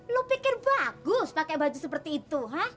lo pikir bagus pakai baju seperti itu ha